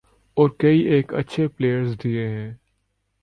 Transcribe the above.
اور کئی ایک اچھے پلئیرز دیے ہیں۔